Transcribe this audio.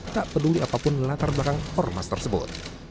tak peduli apapun latar belakang ormas tersebut